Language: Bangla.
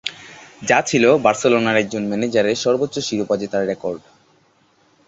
যা ছিল বার্সেলোনার একজন ম্যানেজারের সর্বোচ্চ শিরোপা জেতার রেকর্ড।